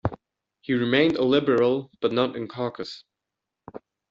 He remained a Liberal but not in caucus.